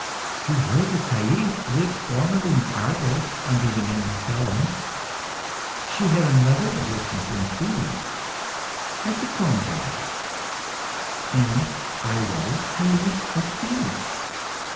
You have heard that Thais lived formerly in Argos, under the name of Helen. She had another existence in Thebes Hecatompyle. And I was Thais of Thebes.